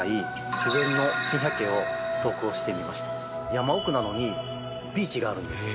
山奥なのにビーチがあるんです。